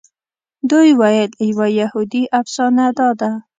دوی ویل یوه یهودي افسانه داده.